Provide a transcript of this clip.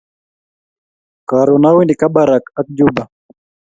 Karun awendi kabarak ak juba